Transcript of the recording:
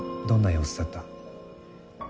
どんな様子だった？